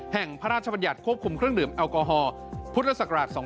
แห่งพระราชบัญญัติควบคุมเครื่องดื่มแอลกอฮอล์พศ๒๕๕๑